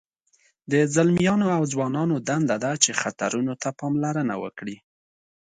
د ځلمیانو او ځوانانو دنده ده چې خطرونو ته پاملرنه وکړي.